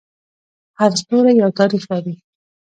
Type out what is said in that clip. هر ستوری یو تاریخ لري.